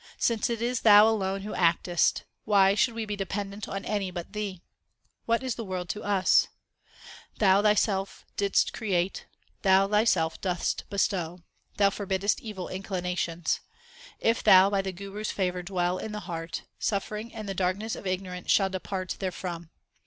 Since it is Thou alone who actest, Why should we be dependent on any but Thee ? What is the world to us ? Thou Thyself didst create ; Thou Thyself dost bestow ; Thou forbiddest evil inclinations. If Thou by the Guru s favour dwell in the heart, Suffering and the darkness of ignorance shall depart therefrom.